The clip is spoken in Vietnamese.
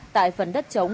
tại phần đất chống